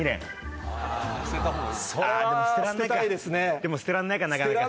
でも捨てらんないかなかなか。